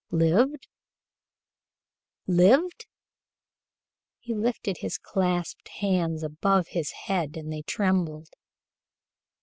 "Lived? lived?" He lifted his clasped hands above his head, and they trembled.